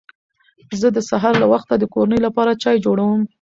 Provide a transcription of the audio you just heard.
زه د سهار له وخته د کورنۍ لپاره چای جوړوم